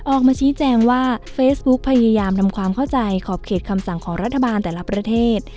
ออกมาชี้แจงว่าเฟซบุ๊กพยายามทำความเข้าใจขอบเขตคำสั่งของรัฐบาลแต่ละประเทศ